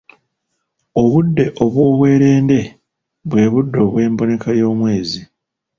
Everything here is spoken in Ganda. Obudde obw'obwerende bwe budde obw'emboneka y'omwezi.